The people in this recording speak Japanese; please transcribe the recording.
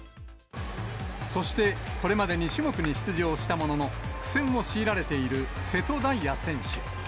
そして、これまで２種目に出場したものの、苦戦を強いられている瀬戸大也選手。